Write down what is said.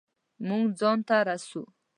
مونږ ځان ته رسو